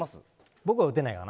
僕は打てないかな。